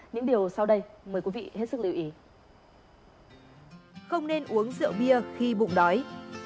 những điều sau đây mời quý vị hết sức lưu ý